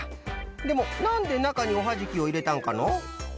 でもなんでなかにおはじきをいれたんかの？